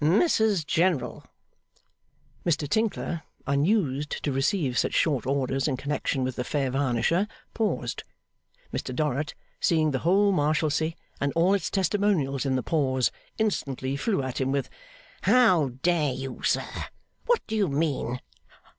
'Mrs General.' Mr Tinkler, unused to receive such short orders in connection with the fair varnisher, paused. Mr Dorrit, seeing the whole Marshalsea and all its testimonials in the pause, instantly flew at him with, 'How dare you, sir? What do you mean?